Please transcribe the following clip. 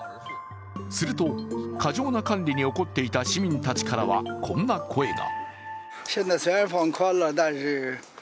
すると過剰な管理に怒っていた市民たちからはこんな声が。